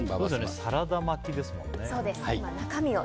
サラダ巻きですもんね。